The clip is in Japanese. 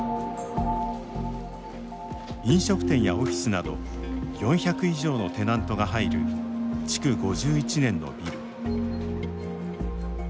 飲食店やオフィスなど４００以上のテナントが入る築５１年のビル。